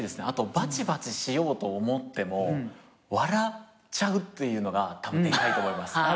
あとバチバチしようと思っても笑っちゃうっていうのがたぶんでかいと思います。